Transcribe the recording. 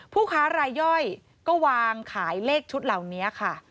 ผู้ค้ารายย่อยก็วางขายเลขชุดเหล่านี้ค่ะ